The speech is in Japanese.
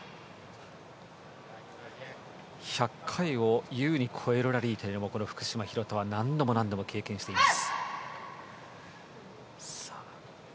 １００回を優に超えるラリーというのも福島、廣田は何度も経験しています。